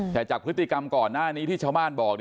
แต่จากพฤติกรรมก่อนหน้านี้ที่ชาวบ้านบอก